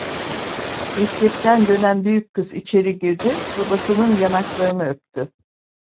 Mektepten dönen büyük kız içeri girdi, babasının yanaklarını öptü.